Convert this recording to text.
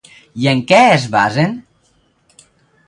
I en què es basen?